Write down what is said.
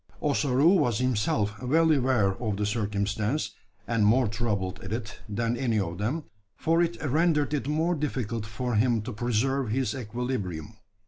Ossaroo was himself well aware of the circumstance and more troubled at it than any of them for it rendered it more difficult for him to preserve his equilibrium.